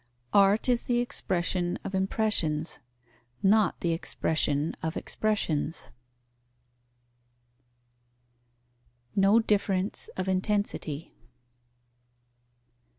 Art is the expression of impressions, not the expression of expressions. _No difference of intensity.